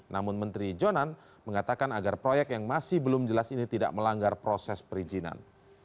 namun menteri jonan mengatakan agar proyek yang masih belum jelas ini tidak melanggar proses perizinan